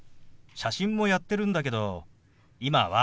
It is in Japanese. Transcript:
写真もやってるんだけど今は。